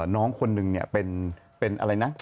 น้องคนหนึ่งเป็นอะไรนะ